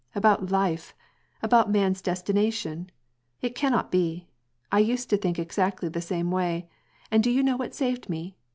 '^ About life, about man's destination. It cannot be. 1 used to think exactly the same way, and do you know what saved me